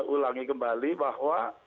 ulangi kembali bahwa